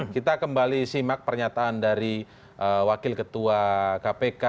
kita kembali simak pernyataan dari wakil ketua kpk